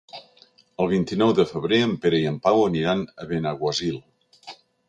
El vint-i-nou de febrer en Pere i en Pau aniran a Benaguasil.